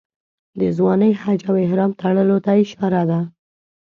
د ځوانۍ حج او احرام تړلو ته اشاره ده.